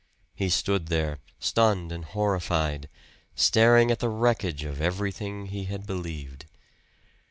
He stood there, stunned and horrified, staring at the wreckage of everything he had believed.